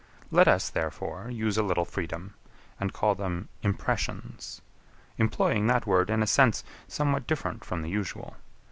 Let us, therefore, use a little freedom, and call them Impressions; employing that word in a sense somewhat different from the usual.